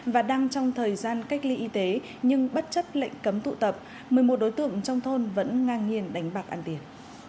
và đang trong thời gian cách ly y tế nhưng bất chấp lệnh cấm tụ tập một mươi một đối tượng trong thôn vẫn ngang nhiên đánh bạc ăn tiền